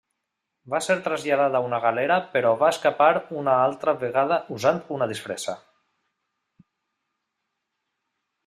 Va ser traslladat a una galera però va escapar una altra vegada usant una disfressa.